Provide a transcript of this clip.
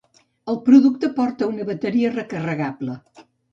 El producte porta una bateria recarregable.